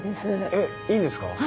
えっいいんですか？